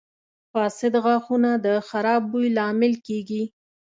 • فاسد غاښونه د خراب بوی لامل کیږي.